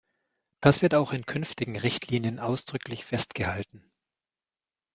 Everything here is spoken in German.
Das wird auch in künftigen Richtlinien ausdrücklich festgehalten.